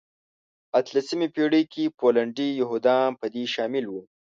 اتلمسې پېړۍ کې پولنډي یهودان په دې شامل وو.